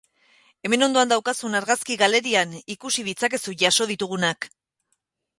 Hemen ondoan daukazun argazki galerian ikusi ditzakezu jaso ditugunak.